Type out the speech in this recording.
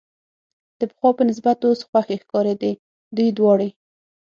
د پخوا په نسبت اوس خوښې ښکارېدې، دوی دواړې.